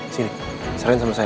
sini serain sama saya